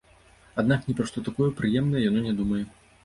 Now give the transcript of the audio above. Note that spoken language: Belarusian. Аднак ні пра што такое прыемнае яно не думае.